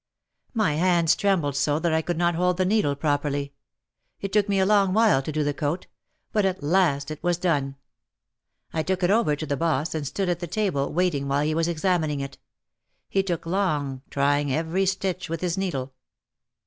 My hands trembled so that I could not hold the needle properly. It took me a long while to do the coat. But at last it was done. I took it over to the boss and stood at the table waiting while he was examining it. He took long, trying every stitch with his needle.